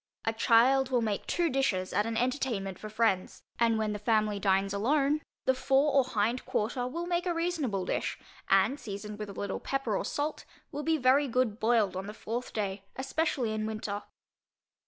A child will make two dishes at an entertainment for friends, and when the family dines alone, the fore or hind quarter will make a reasonable dish, and seasoned with a little pepper or salt, will be very good boiled on the fourth day, especially in winter.